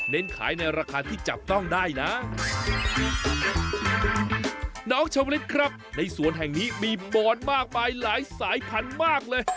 ขายในราคาที่จับต้องได้นะน้องชาวลิศครับในสวนแห่งนี้มีบอนมากมายหลายสายพันธุ์มากเลย